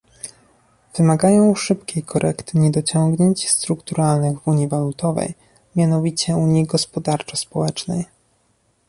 Wymagają szybkiej korekty niedociągnięć strukturalnych w unii walutowej, mianowicie unii gospodarczo-społecznej